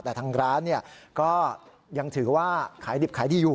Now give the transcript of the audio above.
แต่ทางร้านก็ยังถือว่าขายดิบขายดีอยู่